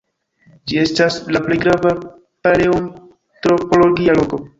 Ĝi estas la plej grava paleoantropologia loko.